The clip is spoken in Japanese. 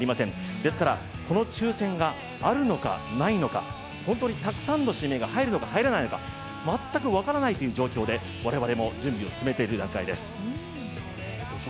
ですからこの抽選があるのかないのか本当にたくさんの指名が入るのか入らないのか全く分からないという状況で我々も準備を進めている段階です。